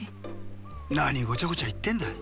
なにごちゃごちゃいってんだ。